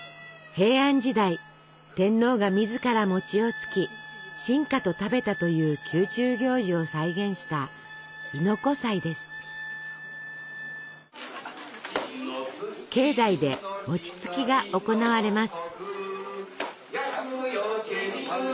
平安時代天皇が自らをつき臣下と食べたという宮中行事を再現した境内でつきが行われます。